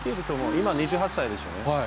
今、２８歳でしょ。